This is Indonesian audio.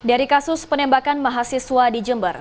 dari kasus penembakan mahasiswa di jember